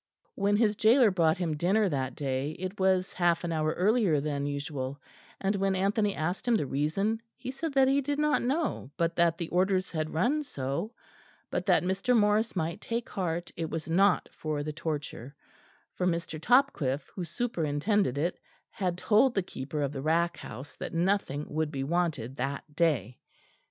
When his gaoler brought him dinner that day it was half an hour earlier than usual; and when Anthony asked him the reason he said that he did not know, but that the orders had run so; but that Mr. Norris might take heart; it was not for the torture, for Mr. Topcliffe, who superintended it, had told the keeper of the rack house that nothing would be wanted that day.